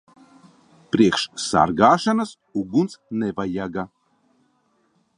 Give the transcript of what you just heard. Priekš sargāšanas uguns nevajaga.